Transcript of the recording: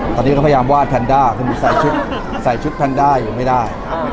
ตอนนี้ก็พยายามวาดแพนด้าคือใส่ชุดใส่ชุดแพนด้าอยู่ไม่ได้